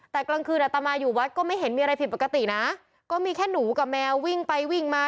แต่กลางคืนอัตมาอยู่วัดก็ไม่เห็นมีอะไรผิดปกตินะก็มีแค่หนูกับแมววิ่งไปวิ่งมา